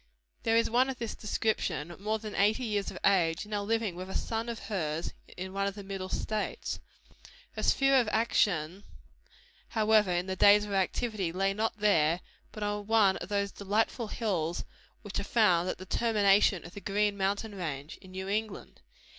There is one of this description, more than eighty years of age, now living with a son of hers in one of the Middle States. Her sphere of action, however, in the days of her activity, lay not there, but on one of those delightful hills which are found at the termination of the Green Mountain range, in New England.